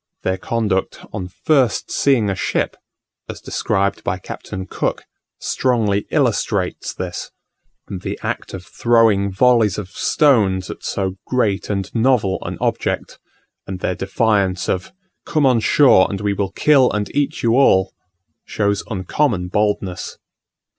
Their conduct on first seeing a ship, as described by Captain Cook, strongly illustrates this: the act of throwing volleys of stones at so great and novel an object, and their defiance of "Come on shore and we will kill and eat you all," shows uncommon boldness.